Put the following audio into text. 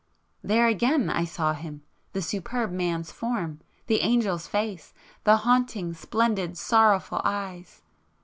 There again I saw him!——the superb man's form,—the Angel's face,—the haunting, splendid sorrowful eyes!